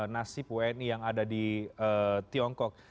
nasib wni yang ada di tiongkok